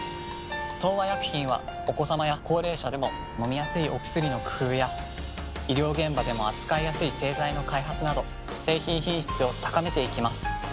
東和薬品はお子さまや高齢者でも飲みやすいお薬の工夫や医療現場でも扱いやすい製剤の開発など製品品質を高めていきます。